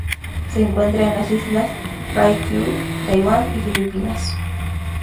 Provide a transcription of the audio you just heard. Se encuentran en las Islas Ryukyu, Taiwán y Filipinas.